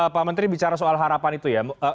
pak menteri bicara soal harapan itu ya